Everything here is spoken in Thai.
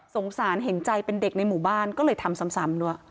สารเห็นใจเป็นเด็กในหมู่บ้านก็เลยทำซ้ำด้วย